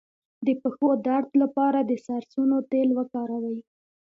د پښو درد لپاره د سرسونو تېل وکاروئ